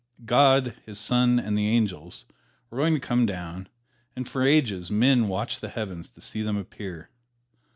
God, His Son and the angels were going to come down, and for ages men watched the heavens to see them appear.